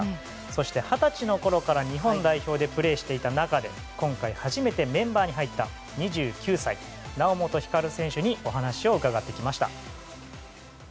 そして、二十歳のころから日本代表でプレーしていた中で今回初めて、メンバーに入った２９歳、猶本光選手にお話を伺ってきました。